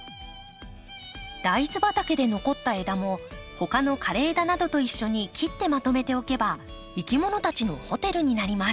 大豆畑で残った枝も他の枯れ枝などと一緒に切ってまとめておけばいきものたちのホテルになります。